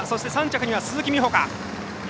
３着には鈴木美帆か。